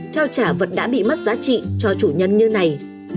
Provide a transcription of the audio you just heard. trao trả vật đã bị mất giá trị cho chủ nhân như này